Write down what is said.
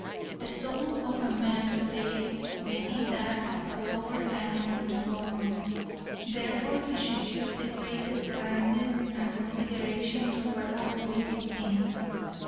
The soul of man today may be that of a lower animal tomorrow; therefore he should use the greatest kindness and consideration toward all living things.